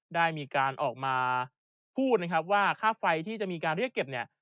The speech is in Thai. ได้มีการออกมาพูดนะครับว่าค่าไฟที่จะมีการเรียกเก็บเนี่ย